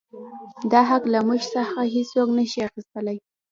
دا حـق لـه مـوږ څـخـه هـېڅوک نـه شـي اخيـستلى.